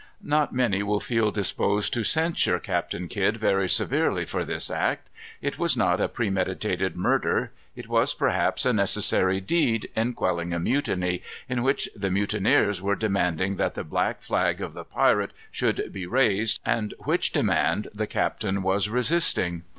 Not many will feel disposed to censure Captain Kidd very severely for this act. It was not a premeditated murder. It was perhaps a necessary deed, in quelling a mutiny, in which the mutineers were demanding that the black flag of the pirate should be raised, and which demand the captain was resisting.